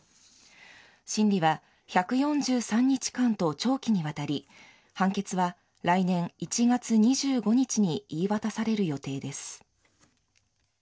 審理は１４３日間と長期にわたり、判決は来年１月２５日に言い渡される予定です。